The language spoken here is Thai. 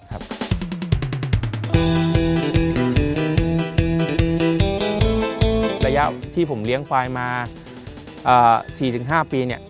ระยะที่ผมเลี้ยงควายมา๔๕ปี